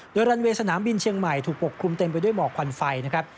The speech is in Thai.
โดยรันเวย์สนามบินเชียงใหม่ถูกปกคลุมเต็มไปด้วยหมอกควันไฟนะครับ